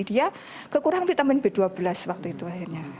dia kekurangan vitamin b dua belas waktu itu akhirnya